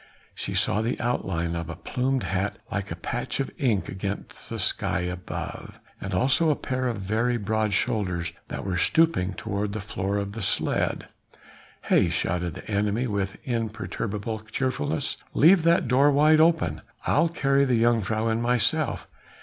She saw the outline of a plumed hat like a patch of ink against the sky above, and also a pair of very broad shoulders that were stooping toward the floor of the sledge. "Hey!" shouted the enemy with imperturbable cheerfulness, "leave that door wide open, I'll carry the jongejuffrouw in myself.